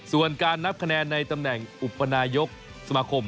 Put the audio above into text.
ส่วนการนับคะแนนในตำแหน่งอุปนายกสมาคม